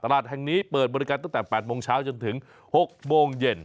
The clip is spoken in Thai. แห่งนี้เปิดบริการตั้งแต่๘โมงเช้าจนถึง๖โมงเย็น